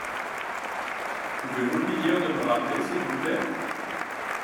Pouvez-vous lui dire de me rappeler s'il vous plait ?